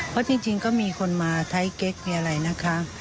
เพราะจริงก็มีคนมาไทยเก๊กมีอะไรนะคะ